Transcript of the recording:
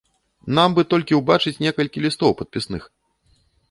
Нам бы толькі ўбачыць некалькі лістоў падпісных.